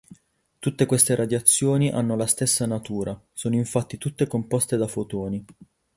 Tutte queste radiazioni hanno la stessa natura, sono infatti tutte composte da fotoni.